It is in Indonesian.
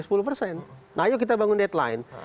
nah ayo kita bangun deadline